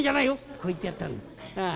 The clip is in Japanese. こう言ってやったんだ。